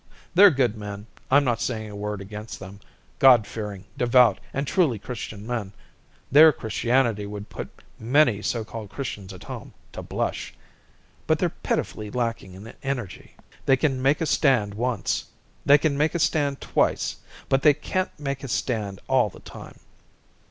They're good men, I'm not saying a word against them, God fearing, devout, and truly Christian men their Christianity would put many so called Christians at home to the blush but they're pitifully lacking in energy. They can make a stand once, they can make a stand twice, but they can't make a stand all the time.